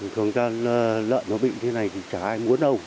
thường chăn lợn nó bị như thế này thì chả ai muốn đâu